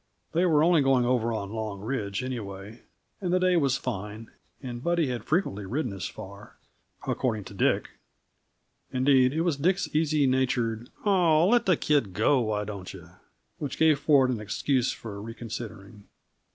They were only going over on Long Ridge, anyway, and the day was fine, and Buddy had frequently ridden as far, according to Dick. Indeed, it was Dick's easy natured, "Ah, let the kid go, why don't you?" which gave Ford an excuse for reconsidering.